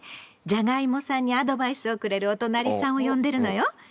じゃがいもさんにアドバイスをくれるおとなりさんを呼んでるのよ。